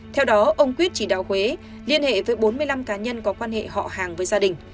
theo đó ông quyết chỉ đạo huế liên hệ với bốn mươi năm cá nhân có quan hệ họ hàng với gia đình